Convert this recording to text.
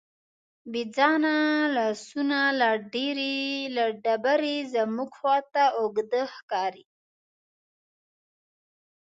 بېځانه لاسونه له ډبرې زموږ خواته اوږده ښکاري.